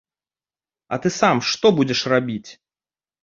А ты сам што будзеш рабіць?